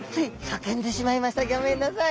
ギョめんなさい。